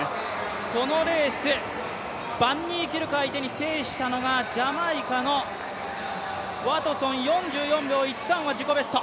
このレース、バンニーキルク相手に制したのがジャマイカのワトソン４４秒１３は自己ベスト。